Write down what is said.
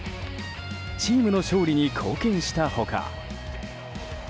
チームの勝利に貢献した他。